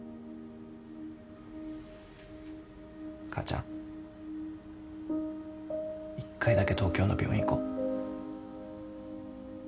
母ちゃん一回だけ東京の病院行こう。